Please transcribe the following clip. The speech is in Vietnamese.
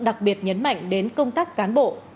đặc biệt nhấn mạnh đến công tác cán bộ